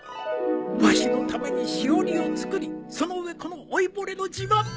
わしのためにしおりを作りその上この老いぼれの自慢まで